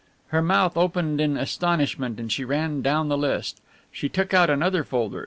Her mouth opened in astonishment and she ran down the list. She took out another folder.